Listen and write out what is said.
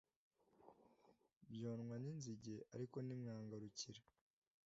byonwa n’inzige, ariko ntimwangarukira!